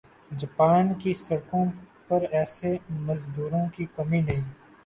Japan کی سڑکوں پر ایسے مزدوروں کی کمی نہیں